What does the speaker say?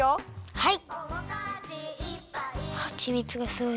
はい！